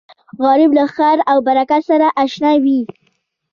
غریب له خیر او برکت سره اشنا وي